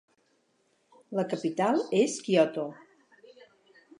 La capital és Kyoto.